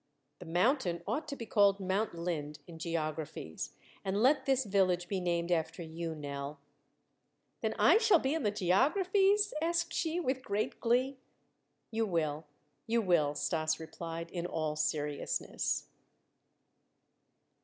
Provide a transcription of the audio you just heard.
"The mountain ought to be called Mount Linde in geographies; and let this village be named after you, Nell." "Then I shall be in the geographies?" asked she with great glee. "You will, you will," Stas replied in all seriousness.